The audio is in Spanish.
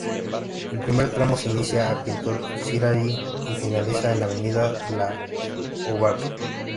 El primer tramo se inicia en Pintor Cicarelli y finaliza en Avenida Lo Ovalle.